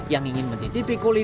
yang ingin mencicipi